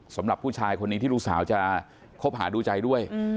สำหรับผู้ชายคนนี้ที่ลูกสาวจะคบหาดูใจด้วย